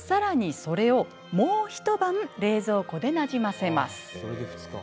それをもう一晩冷蔵庫でなじませます。